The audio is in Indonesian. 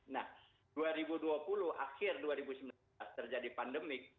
nah dua ribu dua puluh akhir dua ribu sembilan belas terjadi pandemik